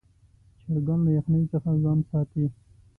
چرګان له یخنۍ څخه ځان ساتي.